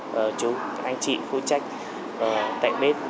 các anh chị phụ trách tại bếp